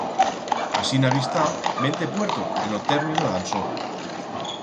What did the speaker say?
Asina bi'stá vente puertos en o término d'Ansó.